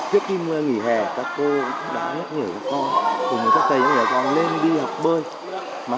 xin mời quý vị hãy đăng ký kênh để ủng hộ kênh của mình nhé